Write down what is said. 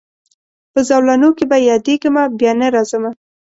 په زولنو کي به یادېږمه بیا نه راځمه